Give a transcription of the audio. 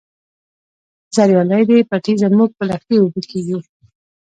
زریالي دي پټی زموږ په لښتي اوبه کیږي.